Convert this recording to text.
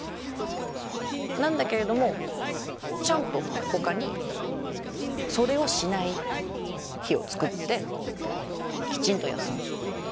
なんだけれどもちゃんとほかにそれをしない日を作ってきちんと休む。